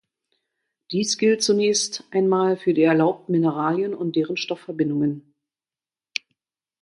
Dies gilt zunächst einmal für die erlaubten Mineralien und deren Stoffverbindungen.